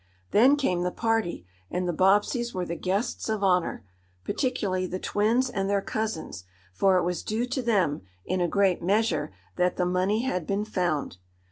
Then came the party, and the Bobbseys were the guests of honor particularly the twins and their cousins, for it was due to them, in a great measure, that the money had been found.